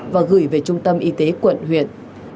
và gửi về trung tâm y tế quận huyện